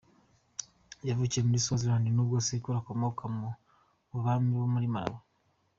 Yavukiye muri Swaziland nubwo sekuru akomoka mu bami bo muri Malawi.